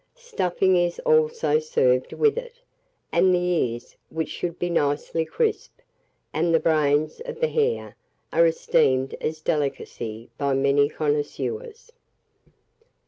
Stuffing is also served with it; and the ears, which should be nicely crisp, and the brains of the hare, are esteemed as delicacies by many connoisseurs.